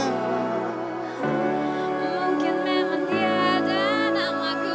mungkin memang dia ada namaku